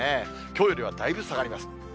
きょうよりはだいぶ下がります。